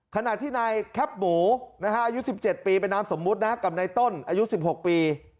ขณะที่นายแคปหมูอายุ๑๗ปีเป็นนามสมมุตินะกับนายต้นอายุ๑๖ปี